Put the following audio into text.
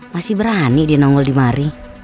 masih berani dia nongol di mari